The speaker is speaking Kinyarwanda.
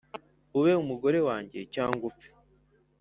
ube umugore wanjye cyangwa upfe